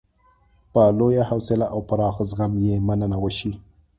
په لویه حوصله او پراخ زغم یې مننه وشي.